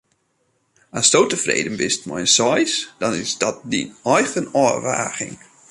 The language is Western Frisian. Asto tefreden bist mei in seis, dan is dat dyn eigen ôfwaging.